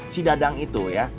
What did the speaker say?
si dadang itu ya